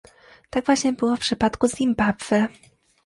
Tak właśnie było w przypadku Zimbabwe